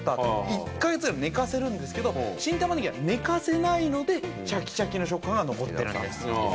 １か月ぐらい寝かせるんですけど新玉ねぎは寝かせないのでシャキシャキの食感が残ってるんです。